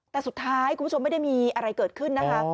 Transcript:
แต่สุดท้ายคุณผู้ชมไม่ได้มีอะไรเกิดขึ้นนะคะ